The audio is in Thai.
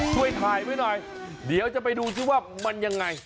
ช่วยถ่ายไว้หน่อยเดี๋ยวจะไปดูซิว่ามันยังไง